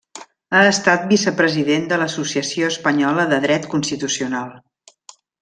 Ha estat vicepresident de l'Associació Espanyola de Dret Constitucional.